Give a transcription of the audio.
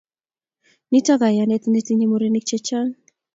Nito kayanet netinyei murenik chechang